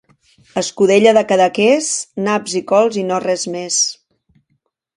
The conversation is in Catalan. Escudella de Cadaqués, naps i cols i no res més.